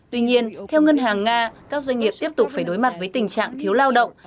tuy nhiên theo ngân hàng nga các doanh nghiệp tiếp tục phải đối mặt với tình trạng thiếu lao động